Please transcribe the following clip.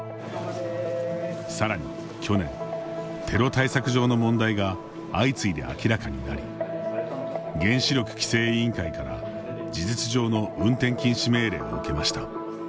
さらに去年、テロ対策上の問題が相次いで明らかになり原子力規制委員会から事実上の運転禁止命令を受けました。